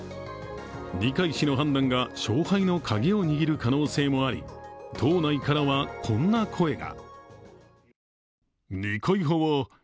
二階氏の判断が勝敗のカギを握る可能性もあり党内からはこんな声が。